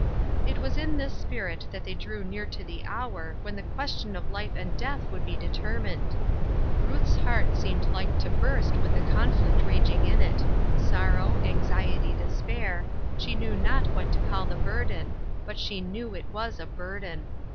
It was in this spirit that thej drew near to the hour when the question of life and death would be determined. Ruth's heart seemed like to burst with the conflict raging in it — sorrow, anxiety, despair — she knew not what to call the burden, but she knew it was a burden.